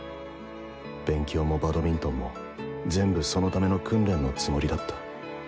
勉強もバドミントンも全部そのための訓練のつもりだった。